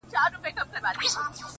ستا هم د پزي په افسر كي جـادو”